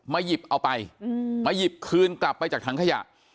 หยิบเอาไปมาหยิบคืนกลับไปจากถังขยะ